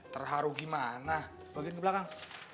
terharu gimana bagian belakang